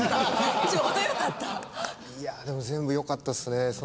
いやあでも全部よかったですね。